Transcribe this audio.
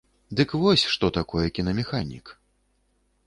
Дык вось, што такое кінамеханік.